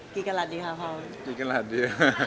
กี่กละลัดดีครับพ่อ